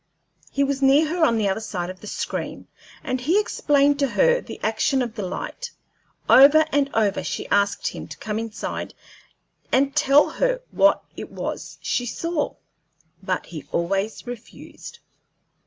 He was near her on the other side of the screen, and he explained to her the action of the light. Over and over she asked him to come inside and tell her what it was she saw, but he always refused.